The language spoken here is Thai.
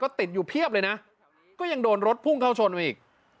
ติดอยู่เพียบเลยนะก็ยังโดนรถพุ่งเข้าชนมาอีก